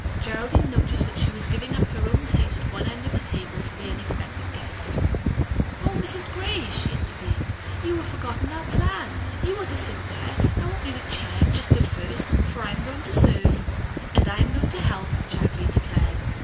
Geraldine noticed that she was giving up her own seat at one end of the table for the unexpected guest. "Oh, Mrs. Gray," she intervened. "You have forgotten our plan. You are to sit there. I won't need a chair just at first, for I am going to serve." "And I am going to help," Jack Lee declared.